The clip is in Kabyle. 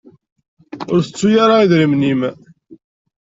Ur tettu ara idrimen-im.